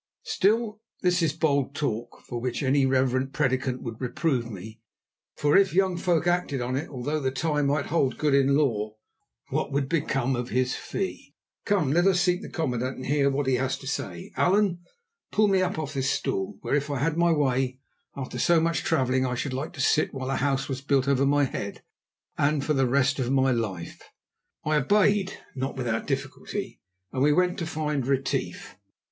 Still, this is bold talk, for which any reverend prédicant would reprove me, for if young folk acted on it, although the tie might hold good in law, what would become of his fee? Come, let us seek the commandant and hear what he has to say. Allan, pull me up off this stool, where, if I had my way, after so much travelling, I should like to sit while a house was built over my head and for the rest of my life." I obeyed, not without difficulty, and we went to find Retief.